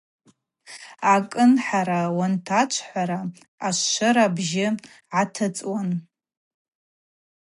Акӏынхӏара уантачвхӏвара ашвшвра бжьы гӏатыцӏуан.